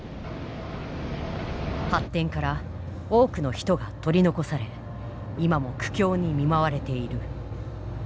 発展から多くの人が取り残され今も苦境に見舞われている。